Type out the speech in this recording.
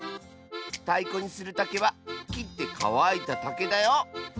たいこにするたけはきってかわいたたけだよ！